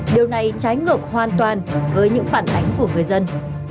điều này trái ngược hoàn toàn với những phản ánh của người dân